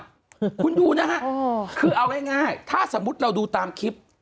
คุณดูนะฮะคือเอาง่ายถ้าสมมุติเราดูตามคลิป